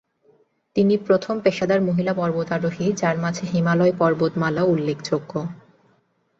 তিনি প্রথম পেশাদার মহিলা পর্বতারোহী; যার মাঝে হিমালয় পর্বতমালা উল্লেখযোগ্য।